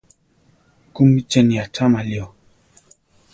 ¿Kúmi cheni acháma lío?